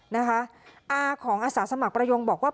อาของอาสาสมัครประยงบอกว่า